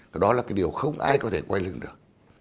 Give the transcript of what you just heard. và đó là cái điều không ai có thể quay lưng được